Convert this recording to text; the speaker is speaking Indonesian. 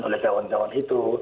oleh kawan kawan itu